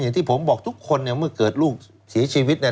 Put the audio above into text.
ที่ผมบอกทุกคนเนี่ยเมื่อเกิดลูกเสียชีวิตเนี่ย